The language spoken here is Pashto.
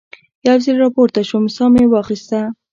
یو ځل را پورته شوم، ساه مې واخیسته.